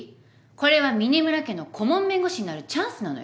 これは嶺村家の顧問弁護士になるチャンスなのよ。